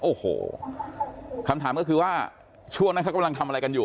โอ้โหคำถามก็คือว่าช่วงนั้นเขากำลังทำอะไรกันอยู่